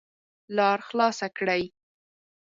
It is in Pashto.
لار خلاصه کړئ